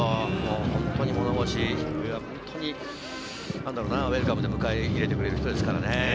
本当に物腰、ウエルカムで迎え入れてくれる人ですからね。